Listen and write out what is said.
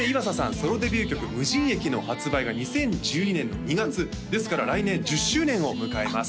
ソロデビュー曲「無人駅」の発売が２０１２年の２月ですから来年１０周年を迎えます